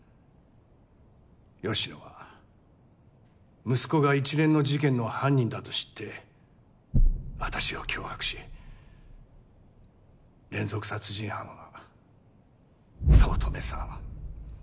芳野は息子が一連の事件の犯人だと知って私を脅迫し連続殺人犯は早乙女さん